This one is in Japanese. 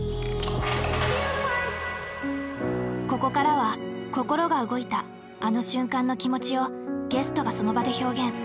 ここからは心が動いたあの瞬間の気持ちをゲストがその場で表現。